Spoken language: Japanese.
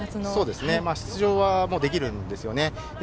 出場はできるんですよね。